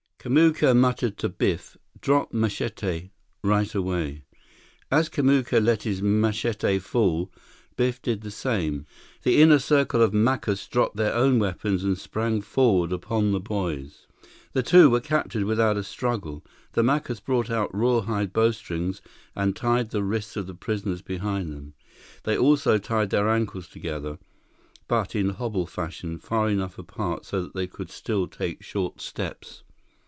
Kamuka muttered to Biff, "Drop machete. Right away." As Kamuka let his machete fall, Biff did the same. The inner circle of Macus dropped their own weapons and sprang forward upon the boys. The two were captured without a struggle. The Macus brought out rawhide bowstrings and tied the wrists of the prisoners behind them. They also tied their ankles together, but in hobble fashion, far enough apart so that they could still take short steps.